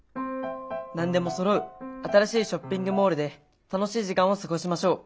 何でもそろう新しいショッピングモールで楽しい時間を過ごしましょう。